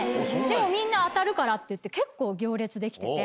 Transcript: でもみんな当たるからって言って結構行列出来てて。